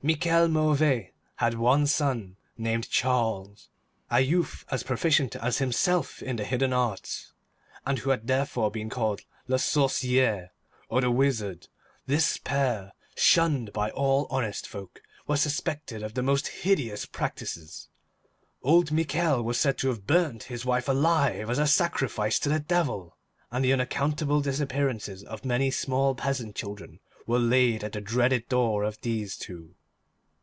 Michel Mauvais had one son, named Charles, a youth as proficient as himself in the hidden arts, and who had therefore been called Le Sorcier, or the Wizard. This pair, shunned by all honest folk, were suspected of the most hideous practices. Old Michel was said to have burnt his wife alive as a sacrifice to the Devil, and the unaccountable disappearances of many small peasant children were laid at the dreaded door of these two.